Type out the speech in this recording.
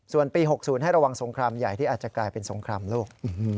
ส่วนปี๖๐ให้ระวังสงครามใหญ่ที่อาจจะกลายเป็นสงครามโลก